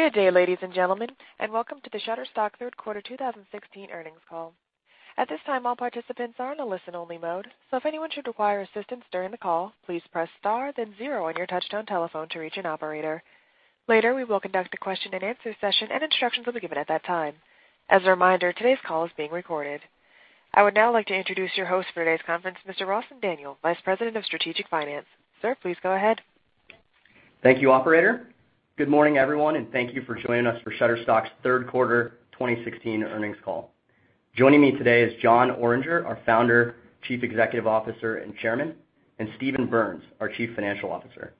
Good day, ladies and gentlemen, and welcome to the Shutterstock Third Quarter 2016 earnings call. At this time, all participants are in a listen-only mode. If anyone should require assistance during the call, please press star, then zero on your touch-tone telephone to reach an operator. Later, we will conduct a question and answer session, and instructions will be given at that time. As a reminder, today's call is being recorded. I would now like to introduce your host for today's conference, Mr. Rawson Daniel, Vice President of Strategic Finance. Sir, please go ahead. Thank you, operator. Good morning, everyone, and thank you for joining us for Shutterstock's third quarter 2016 earnings call. Joining me today is Jon Oringer, our Founder, Chief Executive Officer, and Chairman, and Steven Berns, our Chief Financial Officer.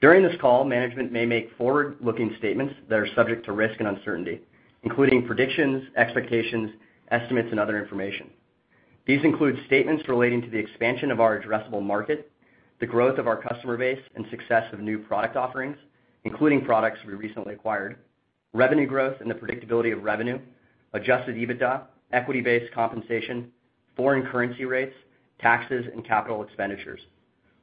During this call, management may make forward-looking statements that are subject to risk and uncertainty, including predictions, expectations, estimates, and other information. These include statements relating to the expansion of our addressable market, the growth of our customer base, and success of new product offerings, including products we recently acquired, revenue growth and the predictability of revenue, adjusted EBITDA, equity-based compensation, foreign currency rates, taxes, and capital expenditures.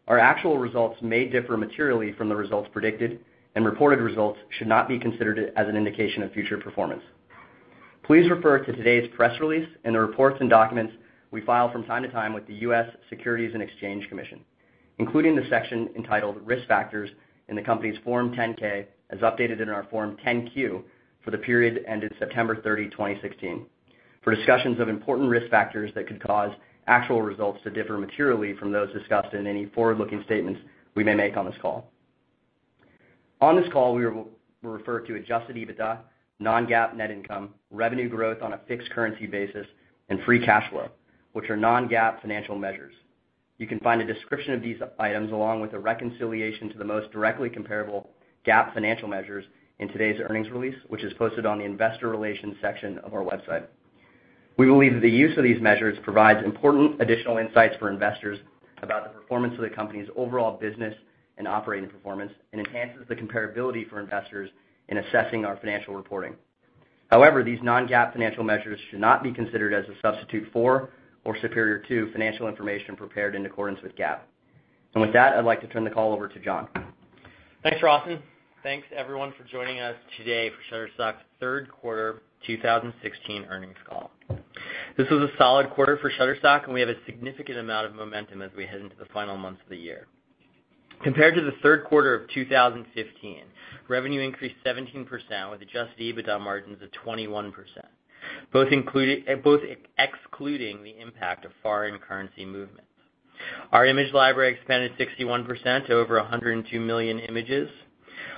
Our actual results may differ materially from the results predicted, and reported results should not be considered as an indication of future performance. Please refer to today's press release and the reports and documents we file from time to time with the US Securities and Exchange Commission, including the section entitled Risk Factors in the company's Form 10-K, as updated in our Form 10-Q for the period ended September 30, 2016, for discussions of important risk factors that could cause actual results to differ materially from those discussed in any forward-looking statements we may make on this call. On this call, we will refer to adjusted EBITDA, non-GAAP net income, revenue growth on a fixed currency basis, and free cash flow, which are non-GAAP financial measures. You can find a description of these items along with a reconciliation to the most directly comparable GAAP financial measures in today's earnings release, which is posted on the investor relations section of our website. We believe that the use of these measures provides important additional insights for investors about the performance of the company's overall business and operating performance and enhances the comparability for investors in assessing our financial reporting. However, these non-GAAP financial measures should not be considered as a substitute for or superior to financial information prepared in accordance with GAAP. With that, I'd like to turn the call over to Jon. Thanks, Rossen. Thanks, everyone, for joining us today for Shutterstock's third quarter 2016 earnings call. This was a solid quarter for Shutterstock, and we have a significant amount of momentum as we head into the final months of the year. Compared to the third quarter of 2015, revenue increased 17%, with adjusted EBITDA margins of 21%, both excluding the impact of foreign currency movements. Our image library expanded 61% to over 102 million images.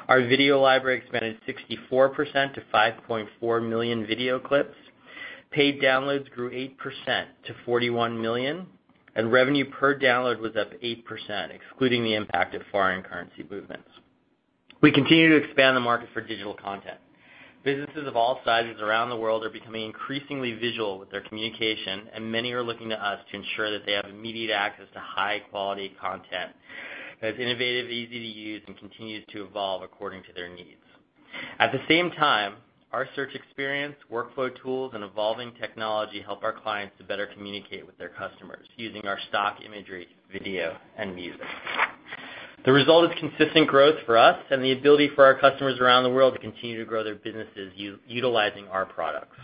Our video library expanded 64% to 5.4 million video clips. Paid downloads grew 8% to 41 million, and revenue per download was up 8%, excluding the impact of foreign currency movements. We continue to expand the market for digital content. Businesses of all sizes around the world are becoming increasingly visual with their communication, many are looking to us to ensure that they have immediate access to high-quality content that's innovative, easy to use, and continues to evolve according to their needs. At the same time, our search experience, workflow tools, and evolving technology help our clients to better communicate with their customers using our stock imagery, video, and music. The result is consistent growth for us and the ability for our customers around the world to continue to grow their businesses, utilizing our products.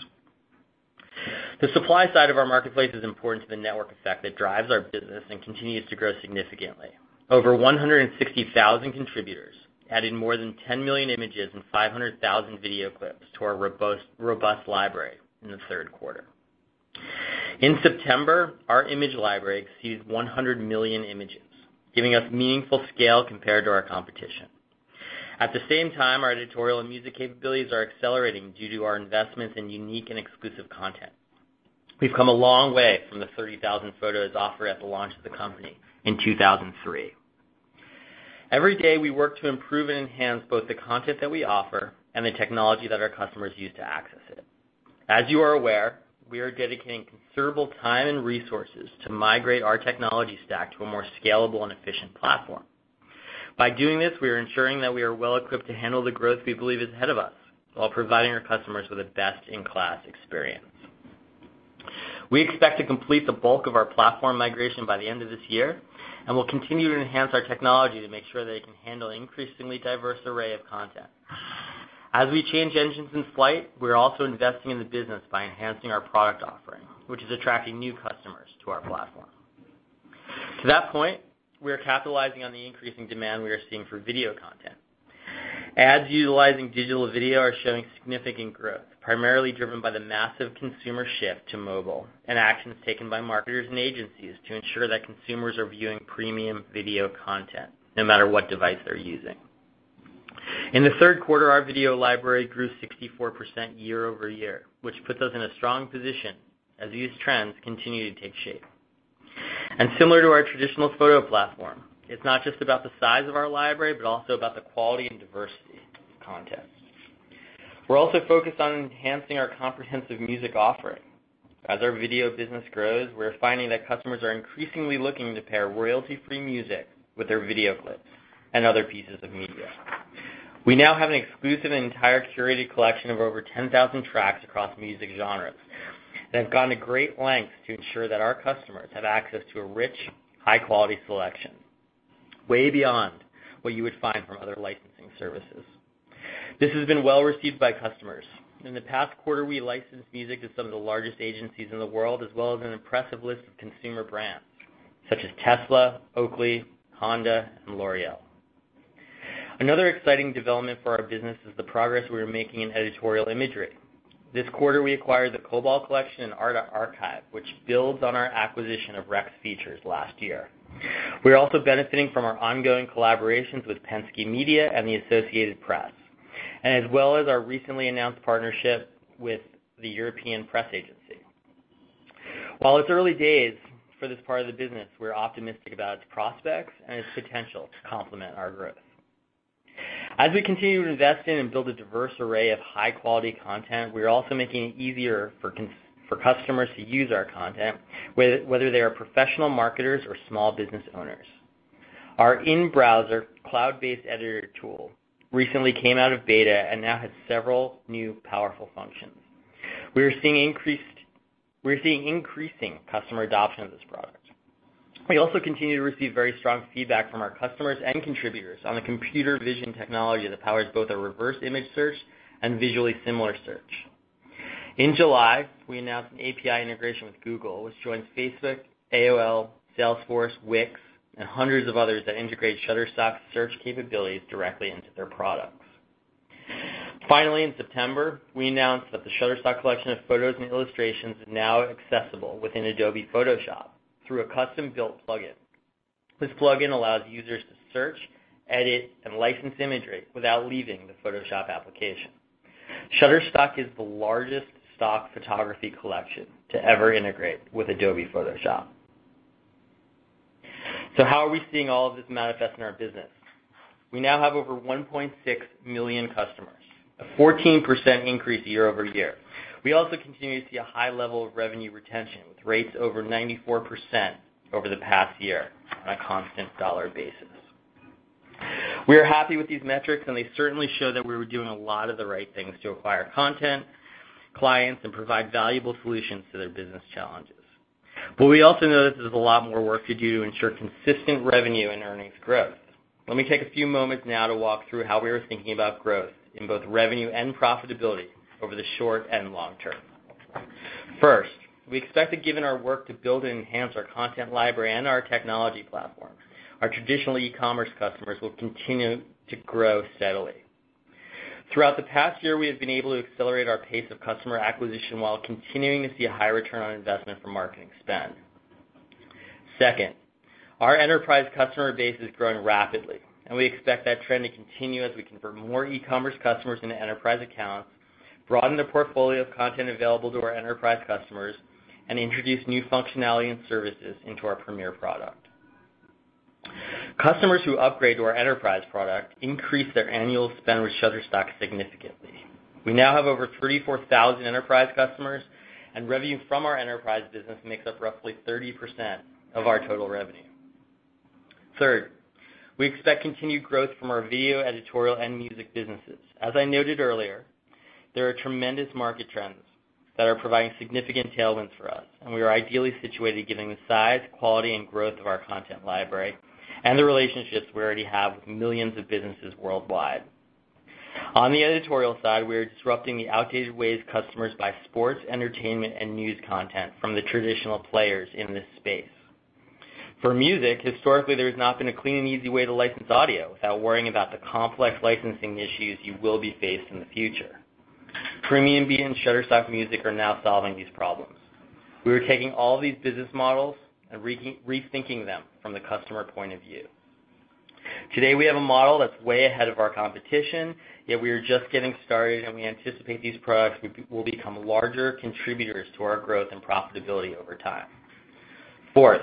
The supply side of our marketplace is important to the network effect that drives our business and continues to grow significantly. Over 160,000 contributors added more than 10 million images and 500,000 video clips to our robust library in the third quarter. In September, our image library exceeded 100 million images, giving us meaningful scale compared to our competition. At the same time, our editorial and music capabilities are accelerating due to our investments in unique and exclusive content. We've come a long way from the 30,000 photos offered at the launch of the company in 2003. Every day, we work to improve and enhance both the content that we offer and the technology that our customers use to access it. As you are aware, we are dedicating considerable time and resources to migrate our technology stack to a more scalable and efficient platform. By doing this, we are ensuring that we are well-equipped to handle the growth we believe is ahead of us while providing our customers with a best-in-class experience. We expect to complete the bulk of our platform migration by the end of this year, will continue to enhance our technology to make sure that it can handle an increasingly diverse array of content. As we change engines in flight, we're also investing in the business by enhancing our product offering, which is attracting new customers to our platform. To that point, we are capitalizing on the increasing demand we are seeing for video content. Ads utilizing digital video are showing significant growth, primarily driven by the massive consumer shift to mobile and actions taken by marketers and agencies to ensure that consumers are viewing premium video content, no matter what device they're using. In the third quarter, our video library grew 64% year-over-year, which puts us in a strong position as these trends continue to take shape. Similar to our traditional photo platform, it's not just about the size of our library, but also about the quality and diversity of the content. We're also focused on enhancing our comprehensive music offering. As our video business grows, we're finding that customers are increasingly looking to pair royalty-free music with their video clips and other pieces of media. We now have an exclusive and entire curated collection of over 10,000 tracks across music genres, and have gone to great lengths to ensure that our customers have access to a rich, high-quality selection. Way beyond what you would find from other licensing services. This has been well-received by customers. In the past quarter, we licensed music to some of the largest agencies in the world, as well as an impressive list of consumer brands such as Tesla, Oakley, Honda, and L'Oréal. Another exciting development for our business is the progress we are making in editorial imagery. This quarter, we acquired The Kobal Collection and The Art Archive, which builds on our acquisition of Rex Features last year. We are also benefiting from our ongoing collaborations with Penske Media and the Associated Press, as well as our recently announced partnership with the European Press Agency. While it's early days for this part of the business, we're optimistic about its prospects and its potential to complement our growth. As we continue to invest in and build a diverse array of high-quality content, we are also making it easier for customers to use our content, whether they are professional marketers or small business owners. Our in-browser, cloud-based editor tool recently came out of beta and now has several new powerful functions. We are seeing increasing customer adoption of this product. We also continue to receive very strong feedback from our customers and contributors on the computer vision technology that powers both our reverse image search and visually similar search. In July, we announced an API integration with Google, which joins Facebook, AOL, Salesforce, Wix, and hundreds of others that integrate Shutterstock's search capabilities directly into their products. Finally, in September, we announced that the Shutterstock collection of photos and illustrations is now accessible within Adobe Photoshop through a custom-built plugin. This plugin allows users to search, edit, and license imagery without leaving the Photoshop application. Shutterstock is the largest stock photography collection to ever integrate with Adobe Photoshop. How are we seeing all of this manifest in our business? We now have over 1.6 million customers, a 14% increase year-over-year. We also continue to see a high level of revenue retention, with rates over 94% over the past year on a constant dollar basis. They certainly show that we were doing a lot of the right things to acquire content, clients, and provide valuable solutions to their business challenges. We also know that there's a lot more work to do to ensure consistent revenue and earnings growth. Let me take a few moments now to walk through how we are thinking about growth in both revenue and profitability over the short and long term. First, we expect that given our work to build and enhance our content library and our technology platform, our traditional e-commerce customers will continue to grow steadily. Throughout the past year, we have been able to accelerate our pace of customer acquisition while continuing to see a high return on investment from marketing spend. Second, our enterprise customer base is growing rapidly, and we expect that trend to continue as we convert more e-commerce customers into enterprise accounts, broaden the portfolio of content available to our enterprise customers, and introduce new functionality and services into our Premier product. Customers who upgrade to our enterprise product increase their annual spend with Shutterstock significantly. We now have over 34,000 enterprise customers, and revenue from our enterprise business makes up roughly 30% of our total revenue. Third, we expect continued growth from our video, editorial, and music businesses. As I noted earlier, there are tremendous market trends that are providing significant tailwinds for us, and we are ideally situated given the size, quality, and growth of our content library and the relationships we already have with millions of businesses worldwide. On the editorial side, we are disrupting the outdated ways customers buy sports, entertainment, and news content from the traditional players in this space. For music, historically, there has not been a clean and easy way to license audio without worrying about the complex licensing issues you will be faced in the future. PremiumBeat and Shutterstock Music are now solving these problems. We are taking all these business models and rethinking them from the customer point of view. Today, we have a model that's way ahead of our competition, yet we are just getting started, and we anticipate these products will become larger contributors to our growth and profitability over time. Fourth,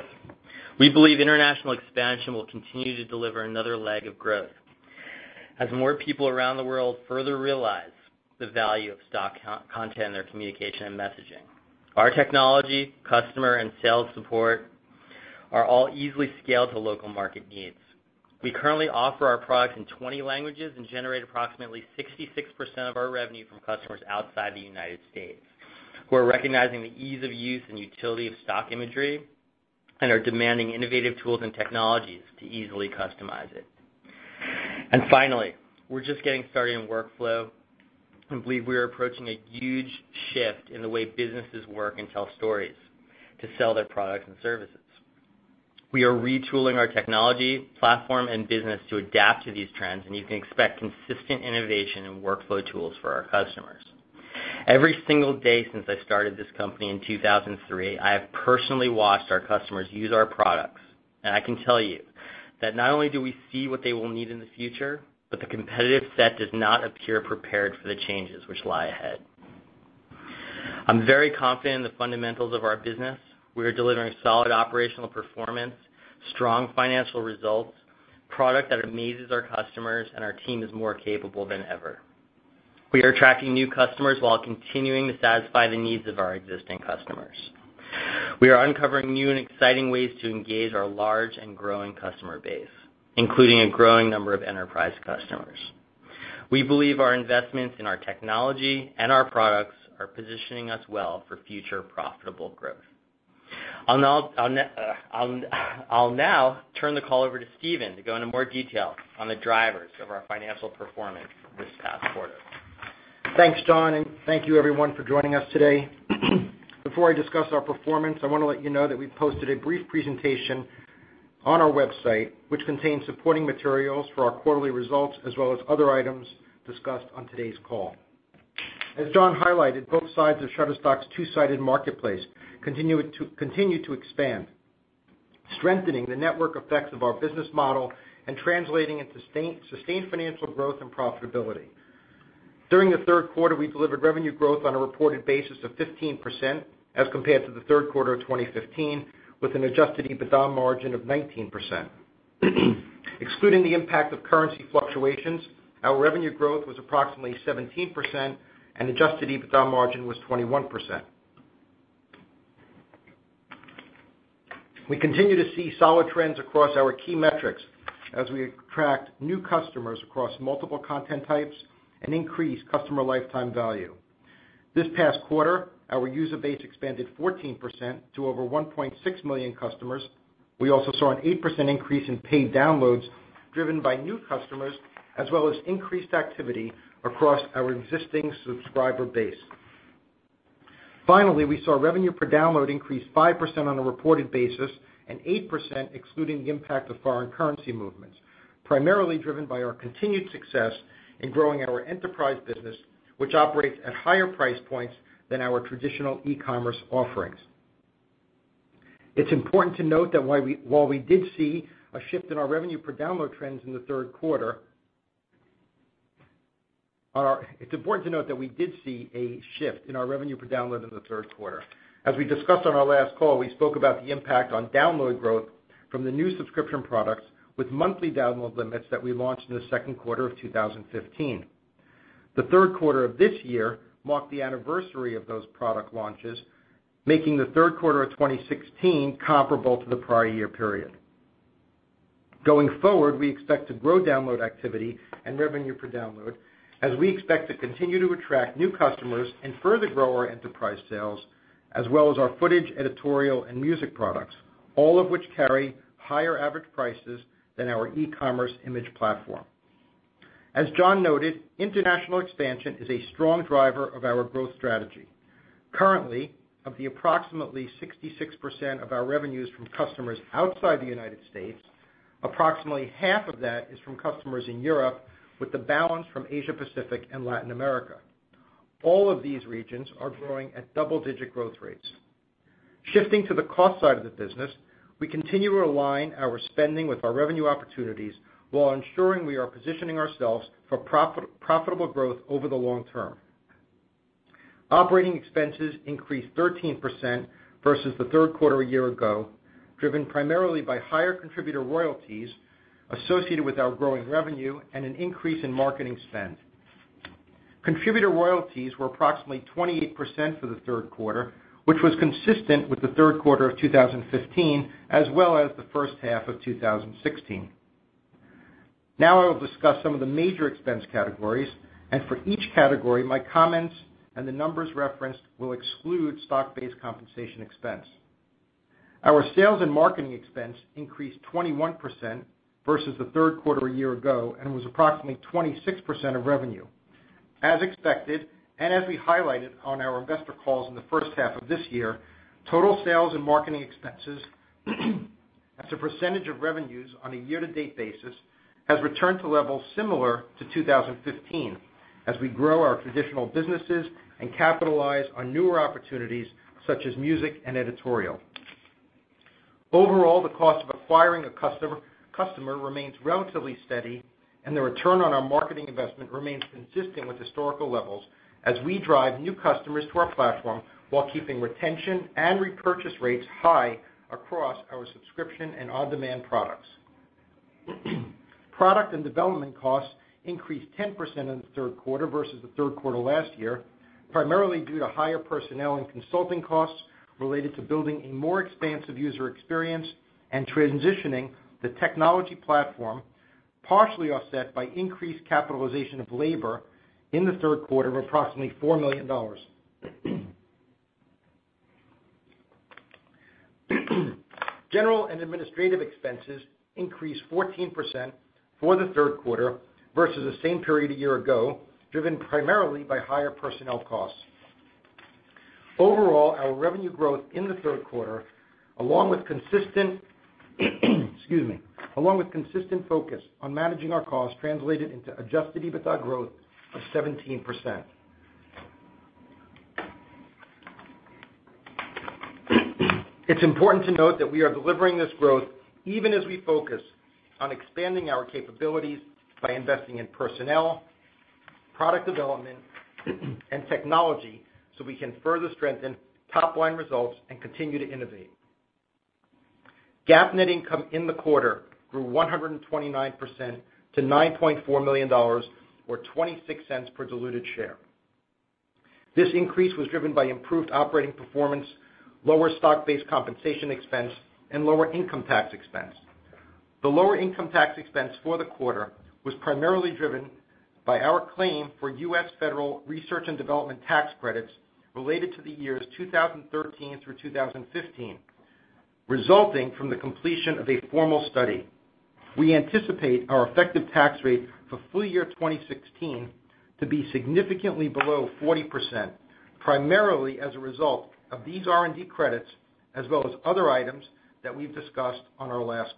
we believe international expansion will continue to deliver another leg of growth as more people around the world further realize the value of stock content in their communication and messaging. Our technology, customer, and sales support are all easily scaled to local market needs. We currently offer our products in 20 languages and generate approximately 66% of our revenue from customers outside the United States, who are recognizing the ease of use and utility of stock imagery and are demanding innovative tools and technologies to easily customize it. Finally, we're just getting started in workflow and believe we are approaching a huge shift in the way businesses work and tell stories to sell their products and services. We are retooling our technology, platform, and business to adapt to these trends, and you can expect consistent innovation and workflow tools for our customers. Every single day since I started this company in 2003, I have personally watched our customers use our products, and I can tell you that not only do we see what they will need in the future, but the competitive set does not appear prepared for the changes which lie ahead. I'm very confident in the fundamentals of our business. We are delivering solid operational performance, strong financial results, product that amazes our customers, and our team is more capable than ever. We are attracting new customers while continuing to satisfy the needs of our existing customers. We are uncovering new and exciting ways to engage our large and growing customer base, including a growing number of enterprise customers. We believe our investments in our technology and our products are positioning us well for future profitable growth. I'll now turn the call over to Steven to go into more detail on the drivers of our financial performance this past quarter. Thanks, Jon. Thank you everyone for joining us today. Before I discuss our performance, I want to let you know that we posted a brief presentation on our website, which contains supporting materials for our quarterly results as well as other items discussed on today's call. As Jon highlighted, both sides of Shutterstock's two-sided marketplace continue to expand, strengthening the network effects of our business model and translating into sustained financial growth and profitability. During the third quarter, we delivered revenue growth on a reported basis of 15% as compared to the third quarter of 2015, with an adjusted EBITDA margin of 19%. Excluding the impact of currency fluctuations, our revenue growth was approximately 17% and adjusted EBITDA margin was 21%. We continue to see solid trends across our key metrics as we attract new customers across multiple content types and increase customer lifetime value. This past quarter, our user base expanded 14% to over 1.6 million customers. We also saw an 8% increase in paid downloads driven by new customers, as well as increased activity across our existing subscriber base. Finally, we saw revenue per download increase 5% on a reported basis and 8% excluding the impact of foreign currency movements, primarily driven by our continued success in growing our enterprise business, which operates at higher price points than our traditional e-commerce offerings. It's important to note that we did see a shift in our revenue per download in the third quarter. As we discussed on our last call, we spoke about the impact on download growth from the new subscription products with monthly download limits that we launched in the second quarter of 2015. The third quarter of this year marked the anniversary of those product launches, making the third quarter of 2016 comparable to the prior year period. Going forward, we expect to grow download activity and revenue per download as we expect to continue to attract new customers and further grow our enterprise sales, as well as our footage, editorial, and music products, all of which carry higher average prices than our e-commerce image platform. As Jon noted, international expansion is a strong driver of our growth strategy. Currently, of the approximately 66% of our revenues from customers outside the U.S., approximately half of that is from customers in Europe, with the balance from Asia Pacific and Latin America. All of these regions are growing at double-digit growth rates. Shifting to the cost side of the business, we continue to align our spending with our revenue opportunities while ensuring we are positioning ourselves for profitable growth over the long term. Operating expenses increased 13% versus the third quarter a year ago, driven primarily by higher contributor royalties associated with our growing revenue and an increase in marketing spend. Contributor royalties were approximately 28% for the third quarter, which was consistent with the third quarter of 2015 as well as the first half of 2016. Now I will discuss some of the major expense categories, and for each category, my comments and the numbers referenced will exclude stock-based compensation expense. Our sales and marketing expense increased 21% versus the third quarter a year ago and was approximately 26% of revenue. As expected, and as we highlighted on our investor calls in the first half of this year, total sales and marketing expenses as a percentage of revenues on a year-to-date basis has returned to levels similar to 2015 as we grow our traditional businesses and capitalize on newer opportunities such as music and editorial. Overall, the cost of acquiring a customer remains relatively steady, and the return on our marketing investment remains consistent with historical levels as we drive new customers to our platform while keeping retention and repurchase rates high across our subscription and on-demand products. Product and development costs increased 10% in the third quarter versus the third quarter last year, primarily due to higher personnel and consulting costs related to building a more expansive user experience and transitioning the technology platform, partially offset by increased capitalization of labor in the third quarter of approximately $4 million. General and administrative expenses increased 14% for the third quarter versus the same period a year ago, driven primarily by higher personnel costs. Overall, our revenue growth in the third quarter, along with consistent focus on managing our costs, translated into adjusted EBITDA growth of 17%. It's important to note that we are delivering this growth even as we focus on expanding our capabilities by investing in personnel, product development, and technology so we can further strengthen top-line results and continue to innovate. GAAP net income in the quarter grew 129% to $9.4 million, or $0.26 per diluted share. This increase was driven by improved operating performance, lower stock-based compensation expense, and lower income tax expense. The lower income tax expense for the quarter was primarily driven by our claim for U.S. federal research and development tax credits related to the years 2013 through 2015, resulting from the completion of a formal study. We anticipate our effective tax rate for full year 2016 to be significantly below 40%, primarily as a result of these R&D credits, as well as other items that we've discussed on our last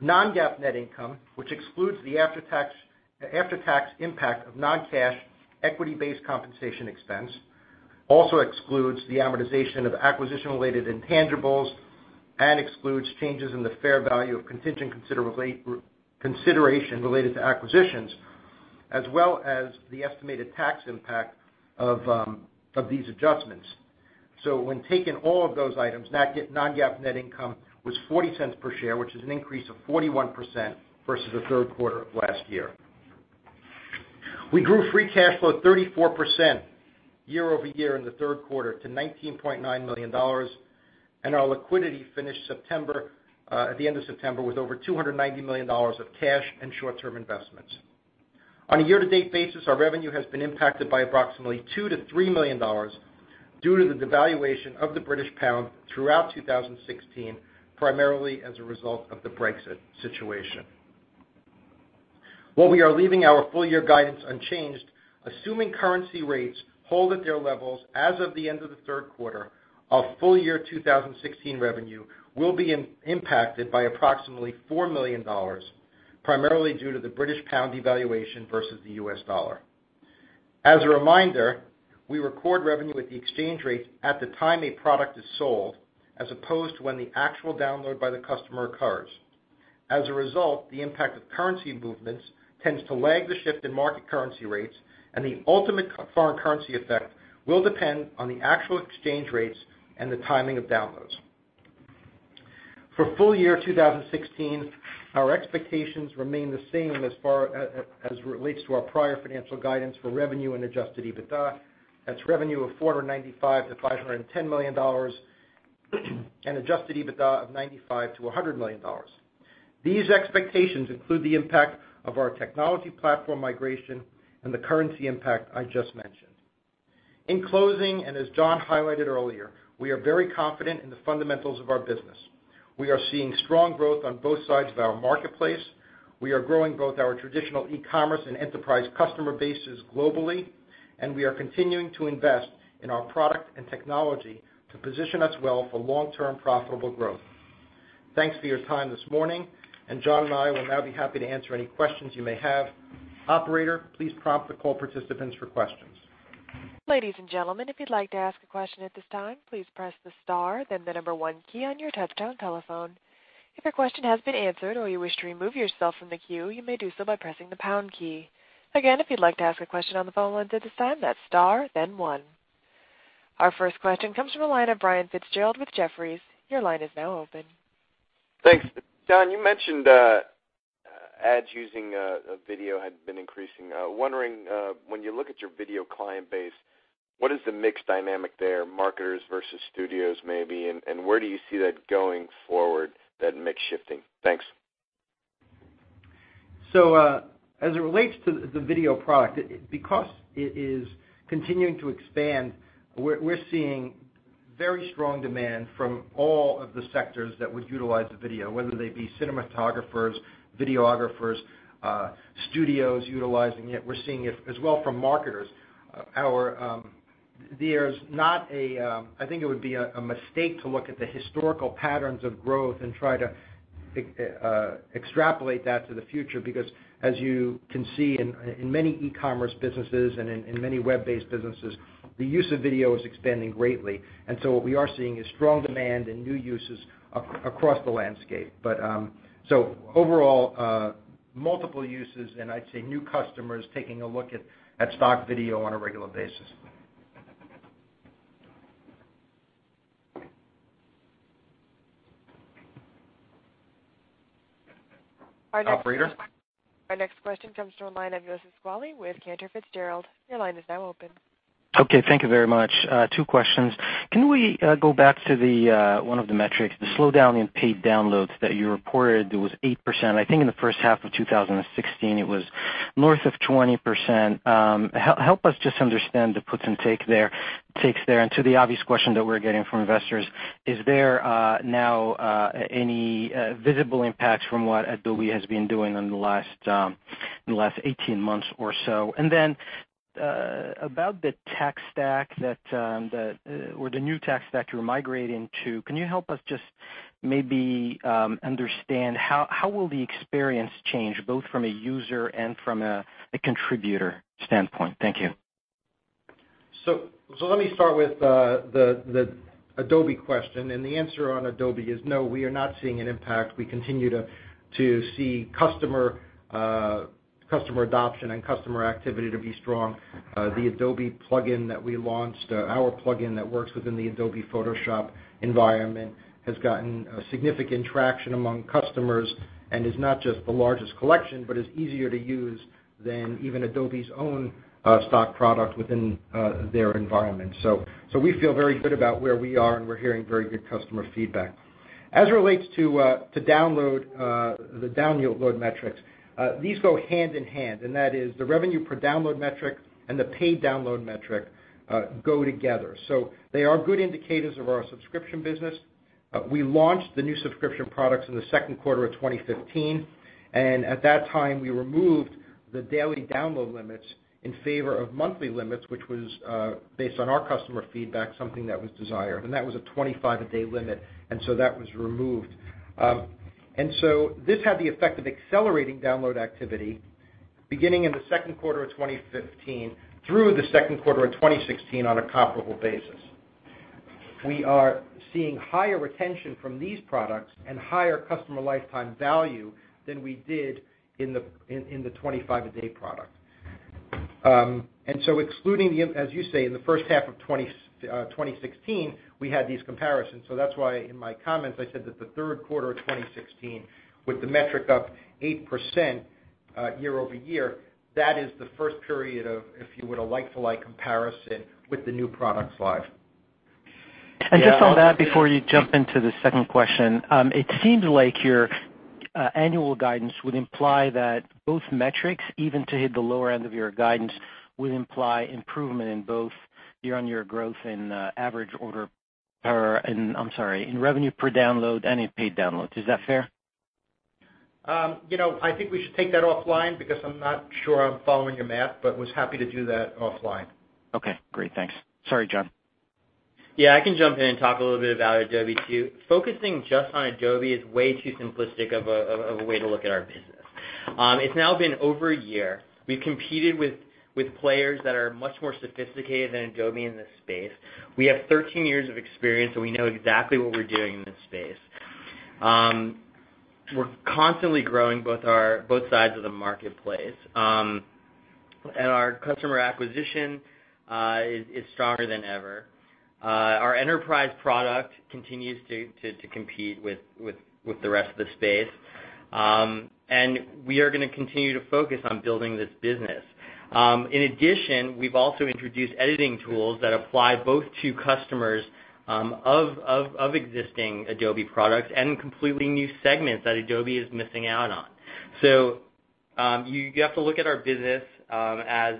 call. Non-GAAP net income, which excludes the after-tax impact of non-cash equity-based compensation expense, also excludes the amortization of acquisition-related intangibles and excludes changes in the fair value of contingent consideration related to acquisitions, as well as the estimated tax impact of these adjustments. When taking all of those items, non-GAAP net income was $0.40 per share, which is an increase of 41% versus the third quarter of last year. We grew free cash flow 34% year-over-year in the third quarter to $19.9 million, and our liquidity finished at the end of September with over $290 million of cash and short-term investments. On a year-to-date basis, our revenue has been impacted by approximately $2 million-$3 million due to the devaluation of the British pound throughout 2016, primarily as a result of the Brexit situation. While we are leaving our full year guidance unchanged, assuming currency rates hold at their levels as of the end of the third quarter, our full year 2016 revenue will be impacted by approximately $4 million, primarily due to the British pound devaluation versus the US dollar. As a reminder, we record revenue at the exchange rate at the time a product is sold, as opposed to when the actual download by the customer occurs. As a result, the impact of currency movements tends to lag the shift in market currency rates, and the ultimate foreign currency effect will depend on the actual exchange rates and the timing of downloads. For full year 2016, our expectations remain the same as relates to our prior financial guidance for revenue and adjusted EBITDA. That is revenue of $495 million-$510 million and adjusted EBITDA of $95 million-$100 million. These expectations include the impact of our technology platform migration and the currency impact I just mentioned. In closing, as Jon highlighted earlier, we are very confident in the fundamentals of our business. We are seeing strong growth on both sides of our marketplace. We are growing both our traditional e-commerce and enterprise customer bases globally, and we are continuing to invest in our product and technology to position us well for long-term profitable growth. Thanks for your time this morning, and Jon and I will now be happy to answer any questions you may have. Operator, please prompt the call participants for questions. Ladies and gentlemen, if you would like to ask a question at this time, please press the star then the number 1 key on your touch-tone telephone. If your question has been answered or you wish to remove yourself from the queue, you may do so by pressing the pound key. Again, if you would like to ask a question on the phone lines at this time, that is star, then 1. Our first question comes from the line of Brian Fitzgerald with Jefferies. Your line is now open. Thanks. Jon, you mentioned ads using video had been increasing. Wondering, when you look at your video client base, what is the mix dynamic there, marketers versus studios maybe, and where do you see that going forward, that mix shifting? Thanks. As it relates to the video product, because it is continuing to expand, we're seeing very strong demand from all of the sectors that would utilize the video, whether they be cinematographers, videographers, studios utilizing it. We're seeing it as well from marketers. I think it would be a mistake to look at the historical patterns of growth and try to extrapolate that to the future, because as you can see in many e-commerce businesses and in many web-based businesses, the use of video is expanding greatly. What we are seeing is strong demand and new uses across the landscape. Overall, multiple uses and I'd say new customers taking a look at stock video on a regular basis. Operator? Our next question comes from the line of Youssef Squali with Cantor Fitzgerald. Your line is now open. Thank you very much. Two questions. Can we go back to one of the metrics, the slowdown in paid downloads that you reported, it was 8%. I think in the first half of 2016, it was north of 20%. Help us just understand the puts and takes there, and to the obvious question that we're getting from investors, is there now any visible impacts from what Adobe has been doing in the last 18 months or so? About the tech stack, or the new tech stack you're migrating to, can you help us just maybe understand how will the experience change, both from a user and from a contributor standpoint? Thank you. Let me start with the Adobe question. The answer on Adobe is no, we are not seeing an impact. We continue to see customer adoption and customer activity to be strong. The Adobe plugin that we launched, our plugin that works within the Adobe Photoshop environment, has gotten a significant traction among customers, and is not just the largest collection, but is easier to use than even Adobe's own stock product within their environment. We feel very good about where we are, and we're hearing very good customer feedback. As it relates to the download metrics, these go hand in hand, and that is the revenue per download metric and the paid download metric go together. They are good indicators of our subscription business. We launched the new subscription products in the second quarter of 2015. At that time, we removed the daily download limits in favor of monthly limits, which was, based on our customer feedback, something that was desired. That was a 25-a-day limit. That was removed. This had the effect of accelerating download activity beginning in the second quarter of 2015 through the second quarter of 2016 on a comparable basis. We are seeing higher retention from these products and higher customer lifetime value than we did in the 25-a-day product. Excluding the, as you say, in the first half of 2016, we had these comparisons. That's why, in my comments, I said that the third quarter of 2016, with the metric up 8% year-over-year, that is the first period of, if you would, a like-to-like comparison with the new products live. Just on that, before you jump into the second question, it seems like your annual guidance would imply that both metrics, even to hit the lower end of your guidance, would imply improvement in both year-on-year growth in revenue per download and in paid downloads. Is that fair? I think we should take that offline because I'm not sure I'm following your math, but was happy to do that offline. Okay, great. Thanks. Sorry, Jon. Yeah, I can jump in and talk a little bit about Adobe too. Focusing just on Adobe is way too simplistic of a way to look at our business. It's now been over a year. We've competed with players that are much more sophisticated than Adobe in this space. We have 13 years of experience, and we know exactly what we're doing in this space. We're constantly growing both sides of the marketplace. Our customer acquisition is stronger than ever. Our enterprise product continues to compete with the rest of the space. We are going to continue to focus on building this business. In addition, we've also introduced editing tools that apply both to customers of existing Adobe products and completely new segments that Adobe is missing out on. You have to look at our business as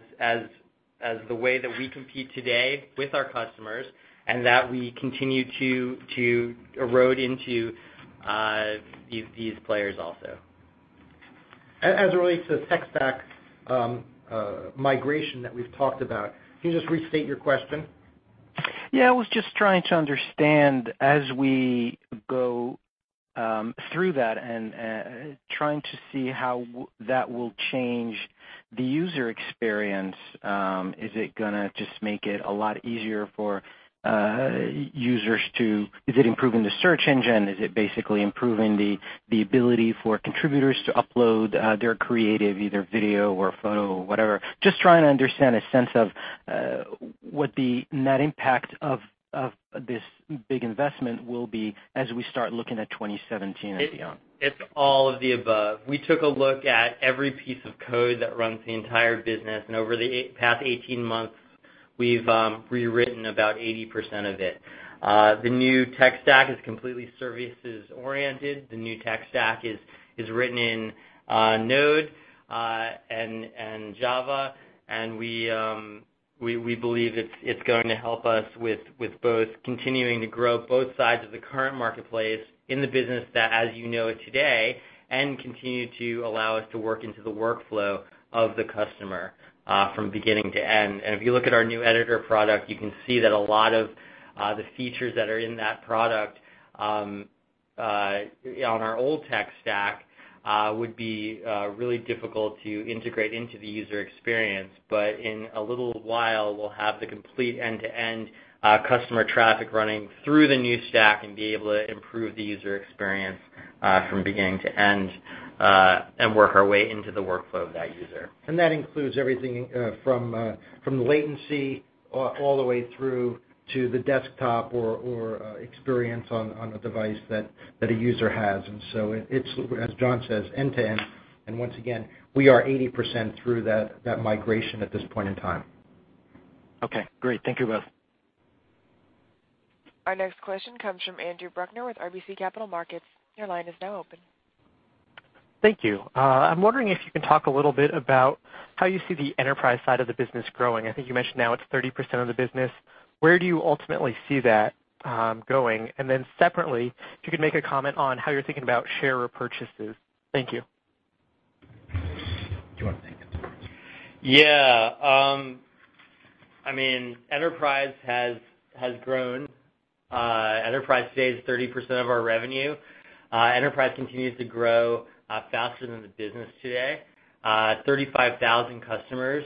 the way that we compete today with our customers and that we continue to erode into these players also. As it relates to the tech stack migration that we've talked about. Can you just restate your question? Yeah, I was just trying to understand as we go through that and trying to see how that will change the user experience. Is it improving the search engine? Is it basically improving the ability for contributors to upload their creative, either video or photo, whatever? Just trying to understand a sense of what the net impact of this big investment will be as we start looking at 2017 and beyond. It's all of the above. We took a look at every piece of code that runs the entire business. Over the past 18 months, we've rewritten about 80% of it. The new tech stack is completely services oriented. The new tech stack is written in Node and Java. We believe it's going to help us with both continuing to grow both sides of the current marketplace in the business that as you know it today, and continue to allow us to work into the workflow of the customer, from beginning to end. If you look at our new editor product, you can see that a lot of the features that are in that product, on our old tech stack, would be really difficult to integrate into the user experience. In a little while, we'll have the complete end-to-end customer traffic running through the new stack and be able to improve the user experience from beginning to end, and work our way into the workflow of that user. That includes everything from the latency, all the way through to the desktop or experience on a device that a user has. So it's, as Jon says, end to end. Once again, we are 80% through that migration at this point in time. Okay, great. Thank you both. Our next question comes from Andrew Bruckner with RBC Capital Markets. Your line is now open. Thank you. I'm wondering if you can talk a little bit about how you see the enterprise side of the business growing. I think you mentioned now it's 30% of the business. Where do you ultimately see that going? Separately, if you could make a comment on how you're thinking about share repurchases. Thank you. Do you want to take it? Yeah. Enterprise has grown. Enterprise today is 30% of our revenue. Enterprise continues to grow faster than the business today. 35,000 customers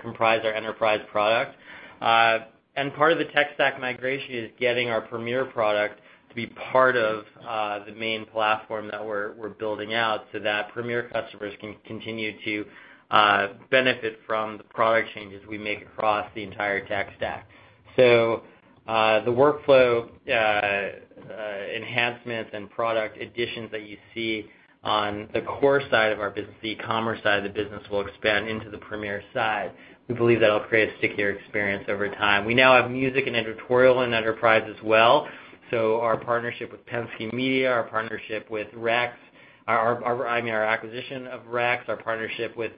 comprise our enterprise product. Part of the tech stack migration is getting our Premier product to be part of the main platform that we're building out so that Premier customers can continue to benefit from the product changes we make across the entire tech stack. The workflow enhancements and product additions that you see on the core side of our business, the e-commerce side of the business, will expand into the Premier side. We believe that'll create a stickier experience over time. We now have music and editorial in Enterprise as well. Our partnership with Penske Media, our partnership with Rex, our acquisition of Rex, our partnership with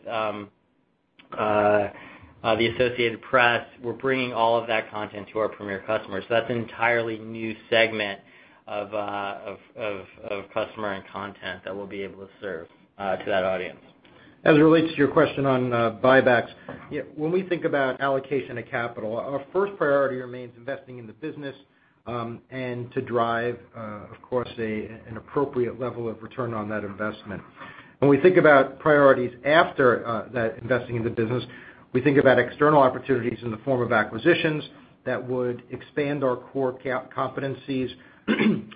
The Associated Press, we're bringing all of that content to our Premier customers. That's an entirely new segment of customer and content that we'll be able to serve to that audience. As it relates to your question on buybacks, when we think about allocation of capital, our first priority remains investing in the business, and to drive, of course, an appropriate level of return on that investment. When we think about priorities after that, investing in the business, we think about external opportunities in the form of acquisitions that would expand our core competencies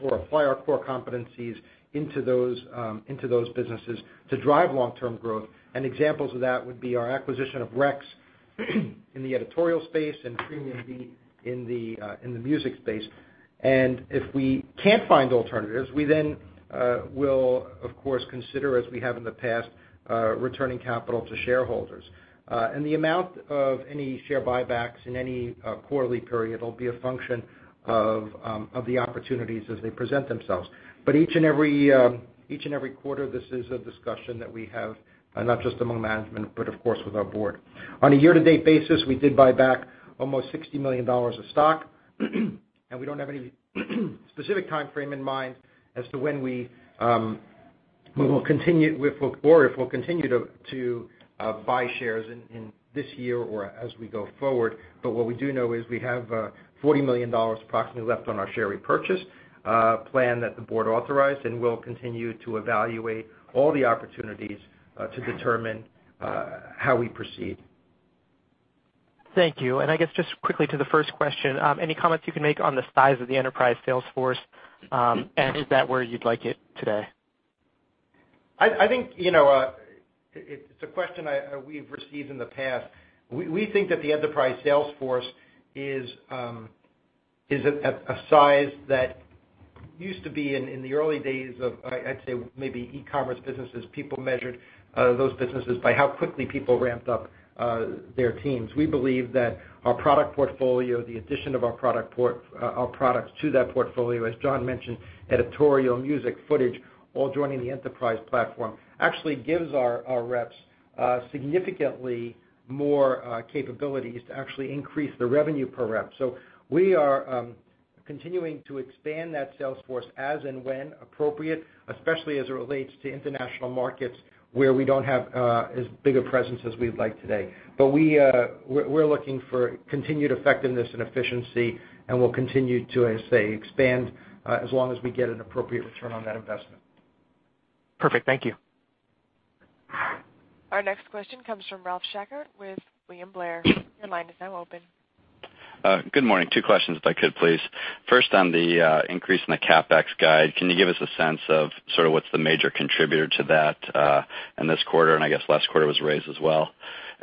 or apply our core competencies into those businesses to drive long-term growth. Examples of that would be our acquisition of Rex in the editorial space and PremiumBeat in the music space. If we can't find alternatives, we then will, of course, consider, as we have in the past, returning capital to shareholders. The amount of any share buybacks in any quarterly period will be a function of the opportunities as they present themselves. Each and every quarter, this is a discussion that we have, not just among management, but of course with our board. On a year-to-date basis, we did buy back almost $60 million of stock, and we don't have any specific timeframe in mind as to when we will continue or if we'll continue to buy shares in this year or as we go forward. What we do know is we have $40 million approximately left on our share repurchase plan that the board authorized, and we'll continue to evaluate all the opportunities to determine how we proceed. Thank you. I guess just quickly to the first question, any comments you can make on the size of the enterprise sales force, and is that where you'd like it today? I think it's a question we've received in the past. We think that the enterprise sales force is at a size that used to be in the early days of, I'd say, maybe e-commerce businesses. People measured those businesses by how quickly people ramped up their teams. We believe that our product portfolio, the addition of our products to that portfolio, as Jon mentioned, editorial, music, footage, all joining the enterprise platform, actually gives our reps significantly more capabilities to actually increase the revenue per rep. We are continuing to expand that sales force as and when appropriate, especially as it relates to international markets where we don't have as big a presence as we'd like today. We're looking for continued effectiveness and efficiency, and we'll continue to, as I say, expand as long as we get an appropriate return on that investment. Perfect. Thank you. Our next question comes from Ralph Schackart with William Blair. Your line is now open. Good morning. Two questions if I could, please. First, on the increase in the CapEx guide, can you give us a sense of what's the major contributor to that in this quarter? I guess last quarter was raised as well.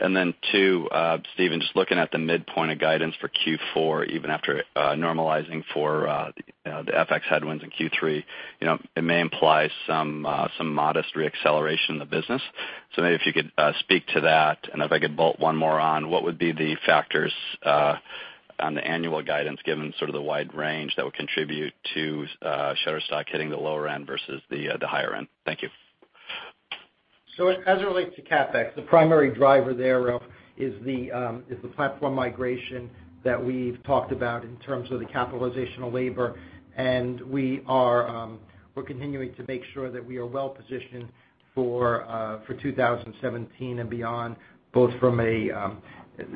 Then two, Steven, just looking at the midpoint of guidance for Q4, even after normalizing for the FX headwinds in Q3, it may imply some modest re-acceleration in the business. Maybe if you could speak to that, and if I could bolt one more on, what would be the factors on the annual guidance given sort of the wide range that would contribute to Shutterstock hitting the lower end versus the higher end? Thank you. As it relates to CapEx, the primary driver there, Ralph, is the platform migration that we've talked about in terms of the capitalizational labor, and we're continuing to make sure that we are well positioned for 2017 and beyond, both from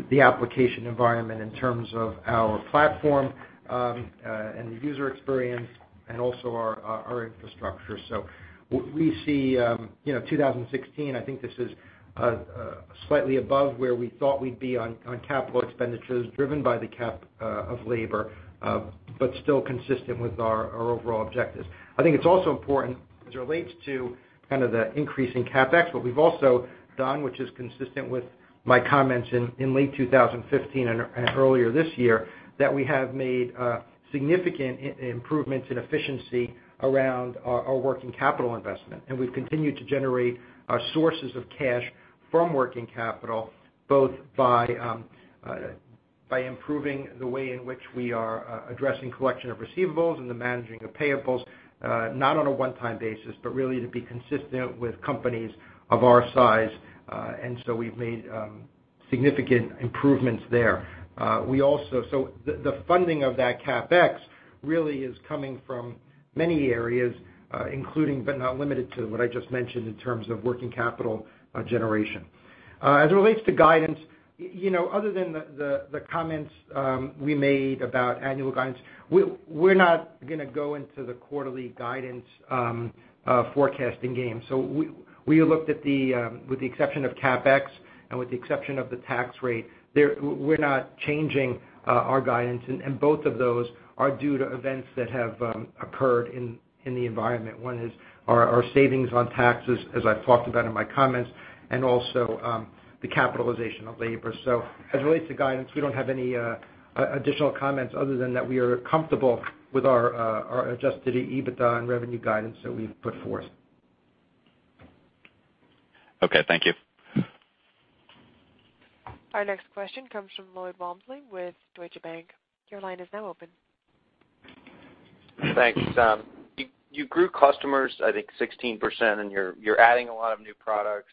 the application environment in terms of our platform, and the user experience, and also our infrastructure. We see 2016, I think this is slightly above where we thought we'd be on capital expenditures driven by the CapEx of labor, but still consistent with our overall objectives. I think it's also important as it relates to kind of the increase in CapEx, what we've also done, which is consistent with my comments in late 2015 and earlier this year, that we have made significant improvements in efficiency around our working capital investment. We've continued to generate sources of cash from working capital, both by improving the way in which we are addressing collection of receivables and the managing of payables, not on a one-time basis, but really to be consistent with companies of our size. We've made significant improvements there. The funding of that CapEx really is coming from many areas, including, but not limited to what I just mentioned in terms of working capital generation. As it relates to guidance, other than the comments we made about annual guidance, we're not going to go into the quarterly guidance forecasting game. We looked with the exception of CapEx, and with the exception of the tax rate, we're not changing our guidance, and both of those are due to events that have occurred in the environment. One is our savings on taxes, as I talked about in my comments, and also the capitalization of labor. As it relates to guidance, we don't have any additional comments other than that we are comfortable with our adjusted EBITDA and revenue guidance that we've put forth. Okay, thank you. Our next question comes from Lloyd Walmsley with Deutsche Bank. Your line is now open. Thanks. You grew customers, I think, 16%, and you're adding a lot of new products.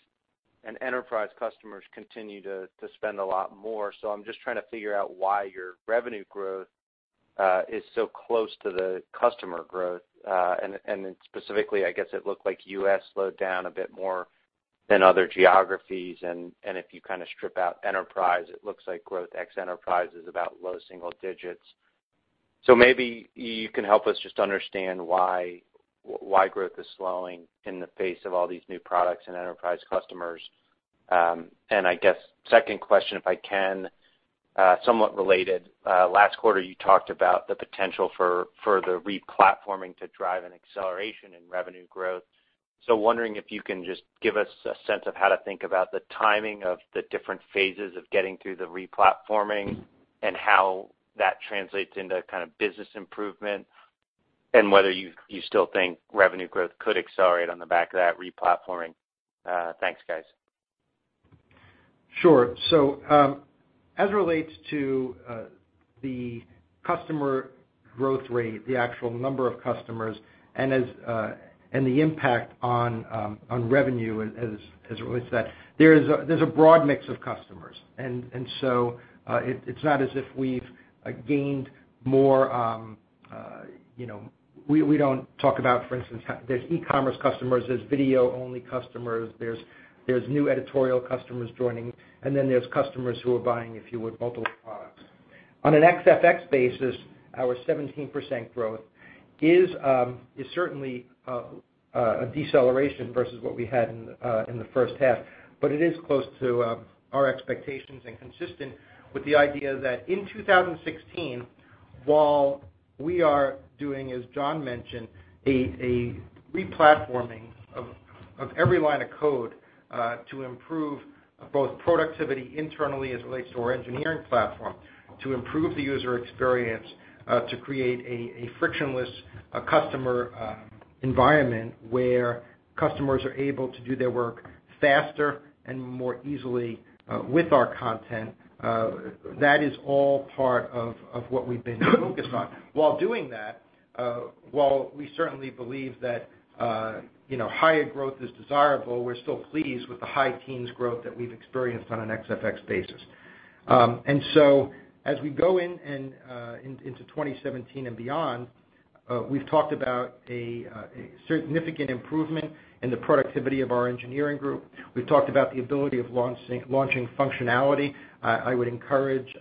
Enterprise customers continue to spend a lot more. I'm just trying to figure out why your revenue growth is so close to the customer growth. Specifically, I guess it looked like U.S. slowed down a bit more than other geographies, and if you strip out enterprise, it looks like growth ex enterprise is about low single digits. Maybe you can help us just understand why growth is slowing in the face of all these new products and enterprise customers. I guess, second question, if I can, somewhat related. Last quarter, you talked about the potential for the re-platforming to drive an acceleration in revenue growth. Wondering if you can just give us a sense of how to think about the timing of the different phases of getting through the re-platforming and how that translates into business improvement, and whether you still think revenue growth could accelerate on the back of that re-platforming. Thanks, guys. Sure. As it relates to the customer growth rate, the actual number of customers, and the impact on revenue as it relates to that, there's a broad mix of customers. It's not as if we've-- We don't talk about, for instance, there's e-commerce customers, there's video-only customers, there's new editorial customers joining, and then there's customers who are buying, if you would, multiple products. On an ex FX basis, our 17% growth is certainly a deceleration versus what we had in the first half. It is close to our expectations and consistent with the idea that in 2016, while we are doing, as Jon mentioned, a re-platforming of every line of code to improve both productivity internally as it relates to our engineering platform, to improve the user experience, to create a frictionless customer environment where customers are able to do their work faster and more easily with our content. That is all part of what we've been focused on. While doing that, while we certainly believe that higher growth is desirable, we're still pleased with the high teens growth that we've experienced on an ex FX basis. As we go into 2017 and beyond, we've talked about a significant improvement in the productivity of our engineering group. We've talked about the ability of launching functionality. I would encourage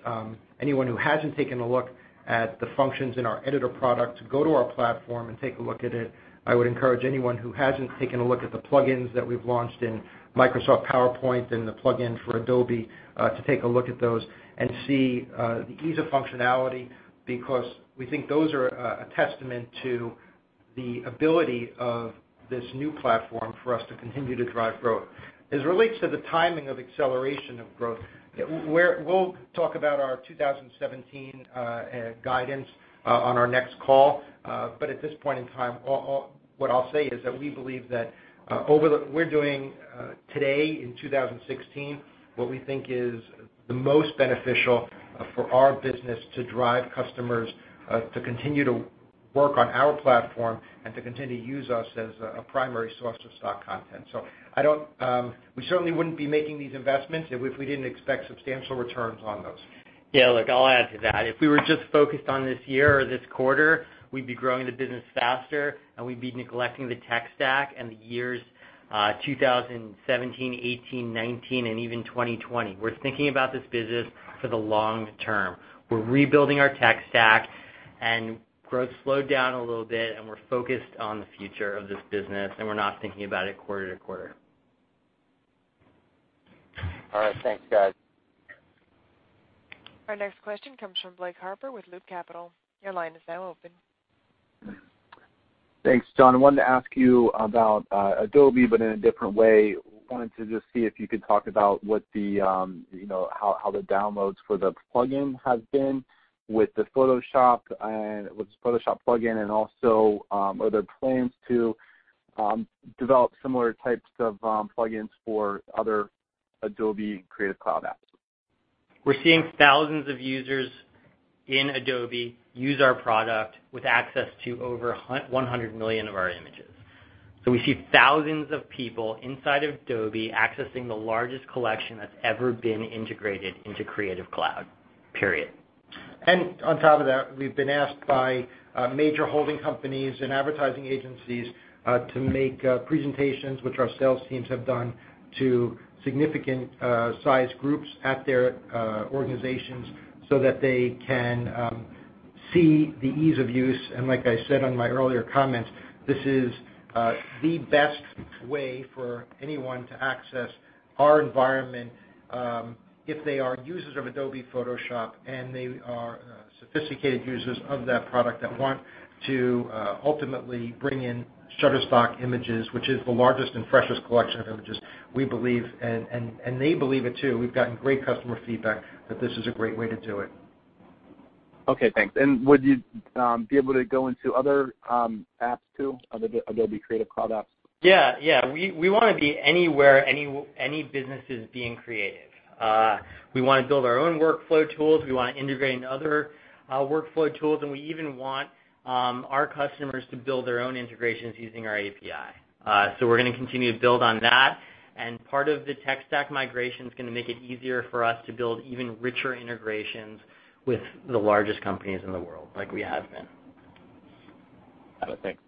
anyone who hasn't taken a look at the functions in our editor product to go to our platform and take a look at it. I would encourage anyone who hasn't taken a look at the plugins that we've launched in Microsoft PowerPoint and the plugin for Adobe to take a look at those and see the ease of functionality, because we think those are a testament to the ability of this new platform for us to continue to drive growth. As it relates to the timing of acceleration of growth, we'll talk about our 2017 guidance on our next call. What I'll say is that we believe that we're doing today in 2016, what we think is the most beneficial for our business to drive customers to continue to work on our platform and to continue to use us as a primary source of stock content. We certainly wouldn't be making these investments if we didn't expect substantial returns on those. Yeah, look, I'll add to that. If we were just focused on this year or this quarter, we'd be growing the business faster, and we'd be neglecting the tech stack and the years 2017, '18, '19, and even 2020. We're thinking about this business for the long term. We're rebuilding our tech stack, growth slowed down a little bit, we're focused on the future of this business, and we're not thinking about it quarter to quarter. All right. Thanks, guys. Our next question comes from Blake Harper with Loop Capital. Your line is now open. Thanks. Jon, I wanted to ask you about Adobe, in a different way. Wanted to just see if you could talk about how the downloads for the plugin have been with the Photoshop plugin, also other plans to develop similar types of plugins for other Adobe Creative Cloud apps. We're seeing thousands of users in Adobe use our product with access to over 100 million of our images. We see thousands of people inside of Adobe accessing the largest collection that's ever been integrated into Creative Cloud, period. On top of that, we've been asked by major holding companies and advertising agencies to make presentations, which our sales teams have done to significant size groups at their organizations so that they can see the ease of use. Like I said on my earlier comments, this is the best way for anyone to access our environment if they are users of Adobe Photoshop, they are sophisticated users of that product that want to ultimately bring in Shutterstock images, which is the largest and freshest collection of images, we believe, and they believe it too. We've gotten great customer feedback that this is a great way to do it. Okay, thanks. Would you be able to go into other apps too, other Adobe Creative Cloud apps? Yeah. We want to be anywhere, any business is being creative. We want to build our own workflow tools. We want to integrate in other workflow tools, and we even want our customers to build their own integrations using our API. We're going to continue to build on that. Part of the tech stack migration is going to make it easier for us to build even richer integrations with the largest companies in the world, like we have been. Got it. Thanks.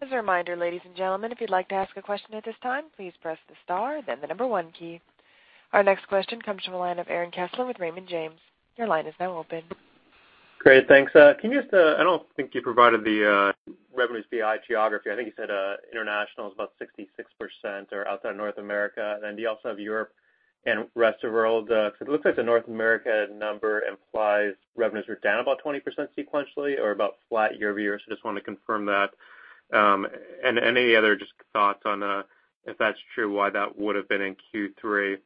As a reminder, ladies and gentlemen, if you'd like to ask a question at this time, please press the star, then the number 1 key. Our next question comes from the line of Aaron Kessler with Raymond James. Your line is now open. Great. Thanks. I don't think you provided the revenues by geography. I think you said international is about 66% or outside North America. Then you also have Europe and rest of world. Because it looks like the North America number implies revenues are down about 20% sequentially or about flat year-over-year. Just want to confirm that. Any other just thoughts on if that's true, why that would have been in Q3.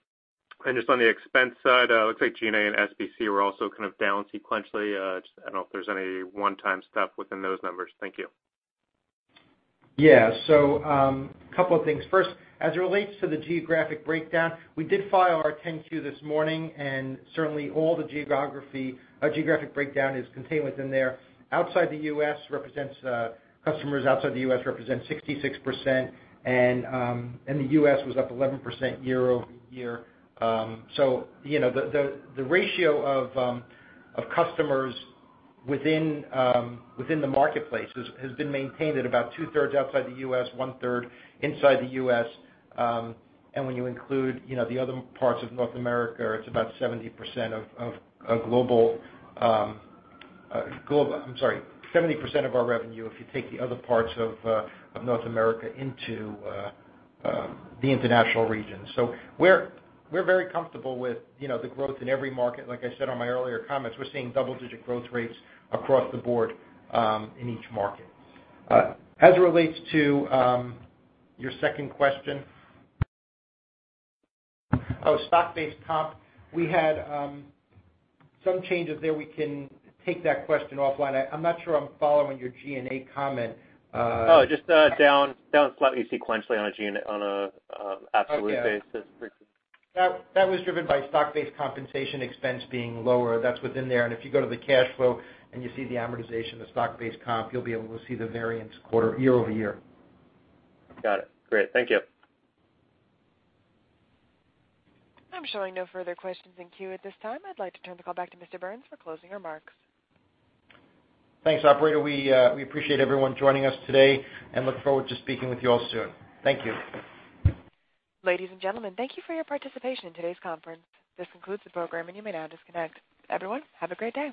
Just on the expense side, it looks like G&A and SBC were also kind of down sequentially. Just I don't know if there's any one-time stuff within those numbers. Thank you. A couple of things. First, as it relates to the geographic breakdown, we did file our 10-Q this morning. Certainly all the geographic breakdown is contained within there. Customers outside the U.S. represent 66%. The U.S. was up 11% year-over-year. The ratio of customers within the marketplace has been maintained at about two-thirds outside the U.S., one-third inside the U.S. When you include the other parts of North America, it's about 70% of our revenue if you take the other parts of North America into the international region. We're very comfortable with the growth in every market. Like I said on my earlier comments, we're seeing double-digit growth rates across the board in each market. As it relates to your second question. Stock-based comp. We had some changes there. We can take that question offline. I'm not sure I'm following your G&A comment. Just down slightly sequentially on an absolute basis. That was driven by stock-based compensation expense being lower. That's within there. If you go to the cash flow and you see the amortization of stock-based comp, you'll be able to see the variance year-over-year. Got it. Great. Thank you. I'm showing no further questions in queue at this time. I'd like to turn the call back to Mr. Berns for closing remarks. Thanks, operator. We appreciate everyone joining us today and look forward to speaking with you all soon. Thank you. Ladies and gentlemen, thank you for your participation in today's conference. This concludes the program, and you may now disconnect. Everyone, have a great day.